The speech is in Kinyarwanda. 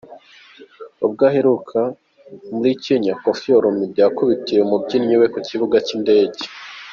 Ubwo aheruka muri Kenya, Koffi Olomide yakubitiye umubyinnyi we ku kibuga cy’indege.